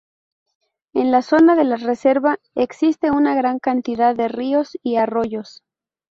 En la zona de la reserva, existe una gran cantidad de ríos y arroyos.